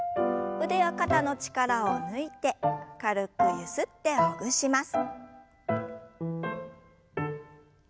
腕や肩の力を抜いて軽くゆすってほぐします。